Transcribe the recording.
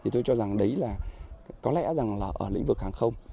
thì tôi cho rằng đấy là có lẽ là ở lĩnh vực hàng không